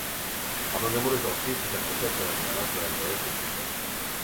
El meu número es el sis, seixanta-set, setanta-nou, setanta-dos, vint-i-set.